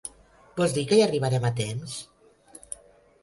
Vols dir que hi arribarem a temps?